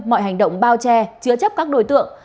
mọi hành động bao che chứa chấp các đối tượng